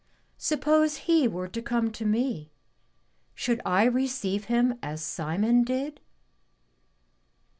Suppose He were to come to me, should I receive Him as Simon did?"